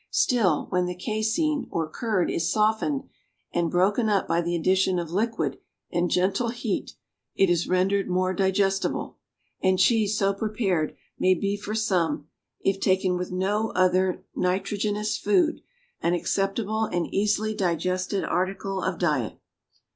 Still, when the caseine, or curd, is softened and broken up by the addition of liquid and gentle heat, it is rendered more digestible; and cheese so prepared may be for some, if taken with no other nitrogenous food, an acceptable and easily digested article of diet.